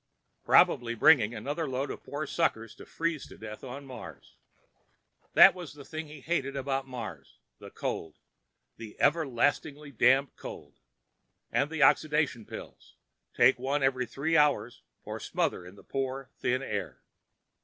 Probably bringing another load of poor suckers to freeze to death on Mars. That was the thing he hated about Mars—the cold. The everlasting damned cold! And the oxidation pills; take one every three hours or smother in the poor, thin air.